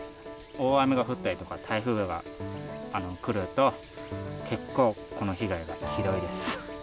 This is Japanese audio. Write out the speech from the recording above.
大雨が降ったりとか台風が来ると、結構、この被害がひどいです。